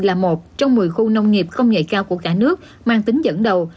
là một trong một mươi khu nông nghiệp công nghệ cao của cả nước mang tính dẫn đầu